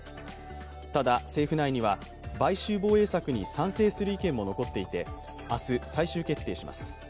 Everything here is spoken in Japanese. ただ、政府内には買収防衛策に賛成する意見も残っていて明日、最終決定します。